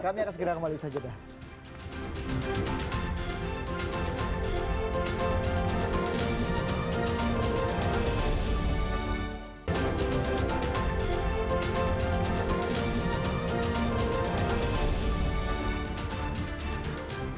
kami akan segera kembali saja